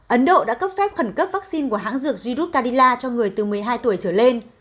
ấn độ đã cấp phép khẩn cấp vaccine của hãng dược giru carila cho người từ một mươi hai tuổi trở lên